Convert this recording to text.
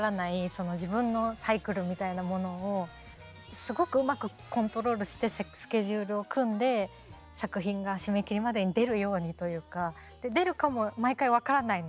その自分のサイクルみたいなものをすごくうまくコントロールしてスケジュールを組んで作品が締め切りまでに出るようにというか出るかも毎回分からないので。